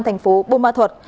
thành phố bù ma thuật